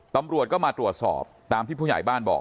ตำรวจก็มาตรวจสอบตามที่ผู้ใหญ่บ้านบอก